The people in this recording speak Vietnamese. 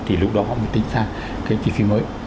thì lúc đó họ mới tính ra cái chỉ phí mới